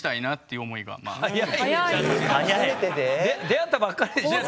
出会ったばっかりでしょ？